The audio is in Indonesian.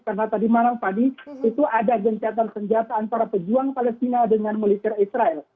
karena tadi malam fani itu ada gencatan senjata antara pejuang palestina dengan militer israel